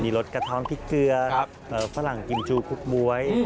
รสกระท้อนพริกเกลือฝรั่งกิมจูคลุกบ๊วย